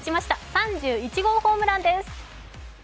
３１号ホームランです。